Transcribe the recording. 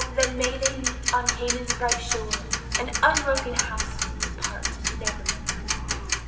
then may they meet on Canaan's bright shore, An unbroken household to part nevermore.